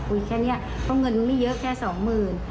แค่นี้เพราะเงินไม่เยอะแค่สองหมื่น